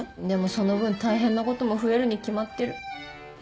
でもその分大変なことも増えるに決まってる。